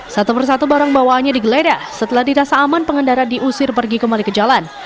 satu persatu barang bawaannya digeledah setelah dirasa aman pengendara diusir pergi kembali ke jalan